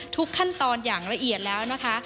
ทุกขั้นตอนอย่างละเอียดแล้วนะคะ